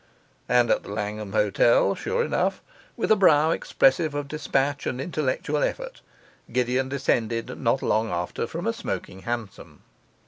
And at the Langham Hotel, sure enough, with a brow expressive of dispatch and intellectual effort, Gideon descended not long after from a smoking hansom.